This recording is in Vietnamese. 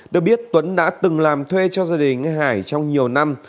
được biết tuấn đã từng làm thuê cho gia đình anh hải trong nhiều năm